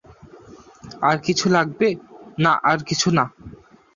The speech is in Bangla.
"আর কিছু লাগবে?" "না, আর কিছু না।"